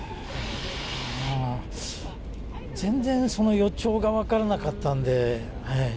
全然その予兆が分からなかったんで。